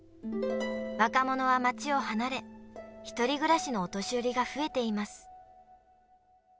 若者は街を離れ、１人暮らしのお年寄りが増えています。